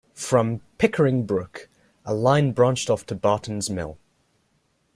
From Pickering Brook, a line branched off to Bartons Mill.